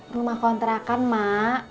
rumah kontrakan mak